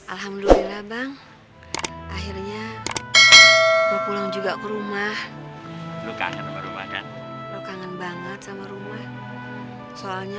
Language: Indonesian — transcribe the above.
alhamdulillah bang akhirnya pulang juga ke rumah luka luka banget sama rumah soalnya